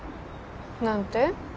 何て？